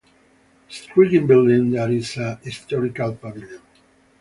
Striking building there is a historical pavilion.